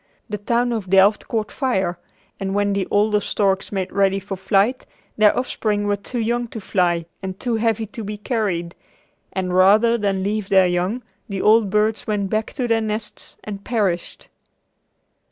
The town of Delft caught fire and when the older storks made ready for flight their offspring were too young to fly and too heavy to be carried, and rather than leave their young, the old birds went back to their nests and perished.